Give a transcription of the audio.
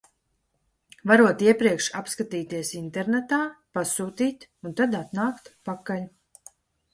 Varot iepriekš apskatīties internetā, pasūtīt un tad atnākt pakaļ.